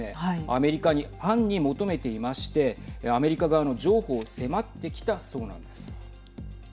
アメリカに暗に求めていましてアメリカ側の譲歩を迫ってきたそうなんです。